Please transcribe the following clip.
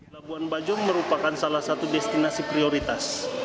labuan bajo merupakan salah satu destinasi prioritas